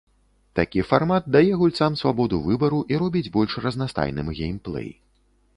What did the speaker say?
Такі фармат дае гульцам свабоду выбару і робіць больш разнастайным геймплэй.